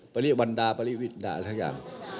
ปารีวัลดาปารีวิตดาอะไรทักอย่าง